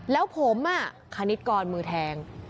แล้วผมคณิตกรมือแทง